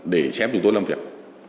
để xem chúng tôi làm việc